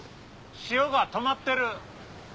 潮が止まってる。